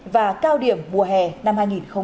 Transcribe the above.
và cao điểm mùa hè năm hai nghìn hai mươi bốn